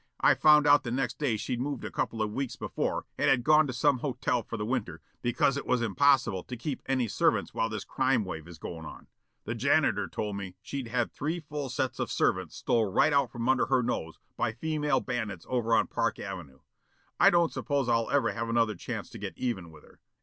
I found out the next day she'd moved a couple of weeks before and had gone to some hotel for the winter because it was impossible to keep any servants while this crime wave is goin' on. The janitor told me she'd had three full sets of servants stole right out from under her nose by female bandits over on Park Avenue. I don't suppose I'll ever have another chance to get even with her.